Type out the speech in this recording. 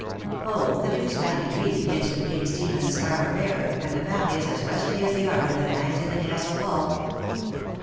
"Oh, the Duke's family tree begins with King Stephen's armour bearer, and the family is as rusty as the armour that hangs in the Castle hall."